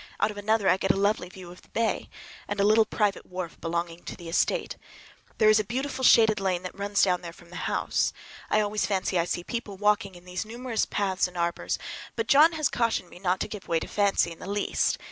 Out of another I get a lovely view of the bay and a little private wharf belonging to the estate. There is a beautiful shaded lane that runs down there from the house. I always fancy I see people walking in these numerous paths and arbors, but John has cautioned me not to give way to fancy in the least.